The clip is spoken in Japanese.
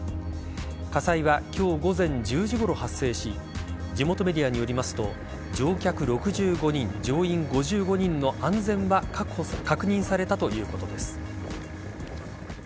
火災は今日午前１０時ごろ発生し地元メディアによりますと乗客６５人、乗員５５人の安全は確認されたということです。